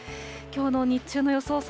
きょうの日中の予想